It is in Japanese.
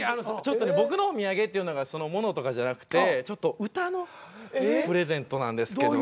僕のお土産って物とかじゃなくて歌のプレゼントなんですけど。